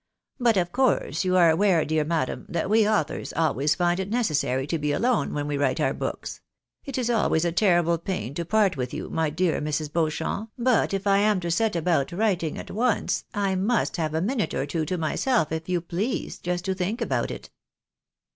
" But of course, you are aware, dear madam, that we authors always find it necessary to be alone when we write our books. It is always a terrible pain ta part with you, my dear Mrs. Beauchamp, but if I am to set about writing at once, J must have a minute or two to myself if you please, just to think about it."